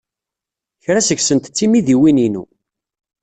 Kra seg-sent d timidiwin-inu.